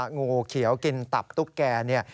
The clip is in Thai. งูเขียวกินตับตุ๊กแก่เนี่ย